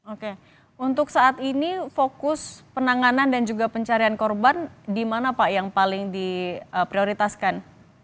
oke untuk saat ini fokus penanganan dan juga pencarian korban di mana pak yang paling diprioritaskan